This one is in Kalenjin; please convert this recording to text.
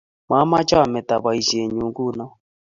Mamache amete boishenyu nguno